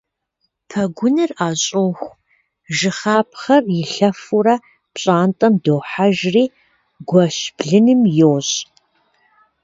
Пэгуныр ӏэщӏоху, жыхапхъэр илъэфурэ пщӏантӏэм дохьэжри гуэщ блыным йощӏ.